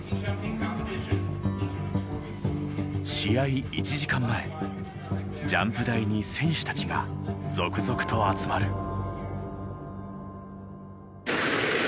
試合１時間前ジャンプ台に選手たちが続々と集まる。